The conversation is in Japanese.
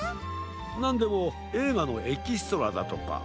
なんでもえいがのエキストラだとか。